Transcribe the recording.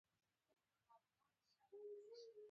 د بامیانو بودا د نړۍ اتم عجایب و